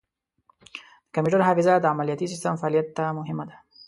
د کمپیوټر حافظه د عملیاتي سیسټم فعالیت ته مهمه ده.